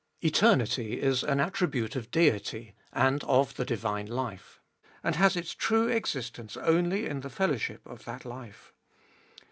Eternity is an attribute of Deity and of the divine life, and has its true existence only in the fellow ship of that life.